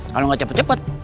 kalau nggak cepet cepet